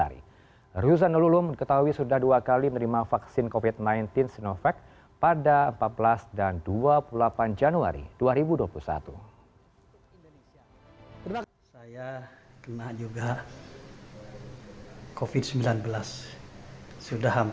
ruzanul ulum diketahui sudah dua kali menerima vaksin covid sembilan belas sinovac pada empat belas dan dua puluh delapan bulan